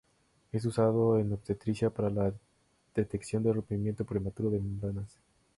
Es usado en obstetricia para la detección de rompimiento prematuro de membranas.